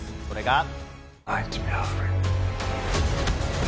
それが。